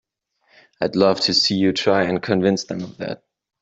I'd love to see you try and convince them of that!